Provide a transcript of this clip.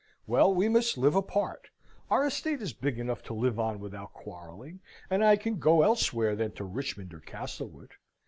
Well! we must live apart. Our estate is big enough to live on without quarrelling, and I can go elsewhere than to Richmond or Castlewood.